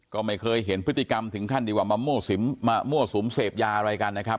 ก็ไม่เคยเห็นพฤติกรรมถึงขั้นดีกว่ามามั่วสุมเสพยาอะไรกันนะครับ